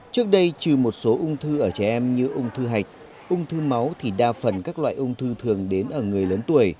trước đây trừ một số ung thư ở trẻ em như ung thư hạch ung thư máu thì đa phần các loại ung thư thường đến ở người lớn tuổi